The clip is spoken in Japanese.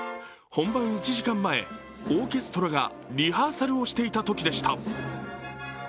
本番１時間前、オーケストラがリハーサルをしていたときでした。